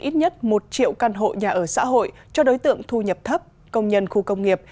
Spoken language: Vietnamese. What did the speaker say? ít nhất một triệu căn hộ nhà ở xã hội cho đối tượng thu nhập thấp công nhân khu công nghiệp